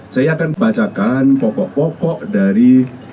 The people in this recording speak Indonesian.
saya akan bacakan pokok pokok dari